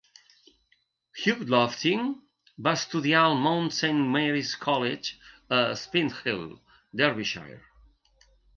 Hugh Lofting va estudiar al Mount Saint Mary's College, a Spinkhill (Derbyshire).